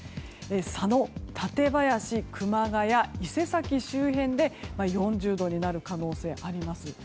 佐野、館林、熊谷、伊勢崎周辺で４０度になる可能性があります。